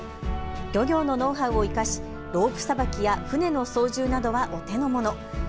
漁業のノウハウを生かしロープさばきや舟の操縦などはお手の物。